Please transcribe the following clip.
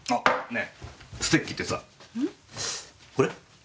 ねえステッキってさこれ？